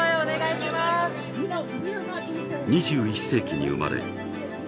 ２１世紀に生まれ